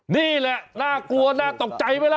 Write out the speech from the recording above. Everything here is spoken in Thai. นี่แหละน่ากลัวน่าตกใจไหมล่ะ